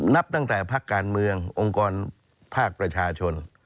นับตั้งแต่ภาคการเมืององค์กรภาคประชาชน